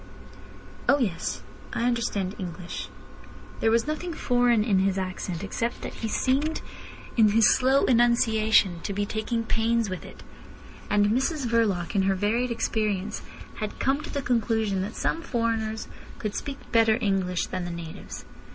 "Oh yes. I understand English." There was nothing foreign in his accent, except that he seemed in his slow enunciation to be taking pains with it. And Mrs Verloc, in her varied experience, had come to the conclusion that some foreigners could speak better English than the natives.